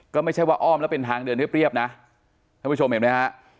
ก็ไม่ใช่ว่าอ้อมแล้วเป็นทางเดินเรียบนะท่านผู้ชมเห็นไหมฮะ